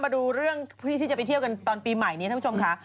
มาดูเรื่องที่จะไปเที่ยวกันตอนปีใหม่นี้ท่านผู้ชมค่ะ